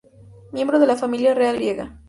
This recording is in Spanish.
Miembro de la familia real griega.